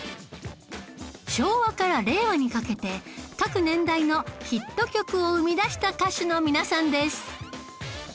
昭和から令和にかけて各年代のヒット曲を生み出した歌手の皆さんです